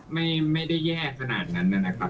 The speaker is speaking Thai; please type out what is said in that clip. ไม่ได้แย่ขนาดนั้นนะครับ